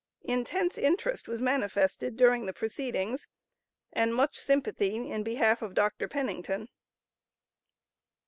Intense interest was manifested during the proceedings, and much sympathy in behalf of Dr. Pennington.